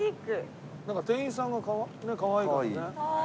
なんか店員さんがかわいいからね。